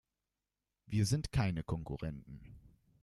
Wir sind keine Konkurrenten.